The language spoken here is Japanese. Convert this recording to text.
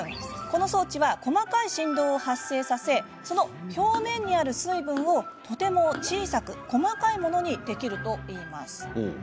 この装置は細かい振動を発生させその表面にある水分をとても小さく細かいものにできるといいます。